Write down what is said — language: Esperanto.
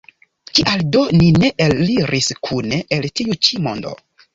Kial do ni ne eliris kune el tiu ĉi mondo?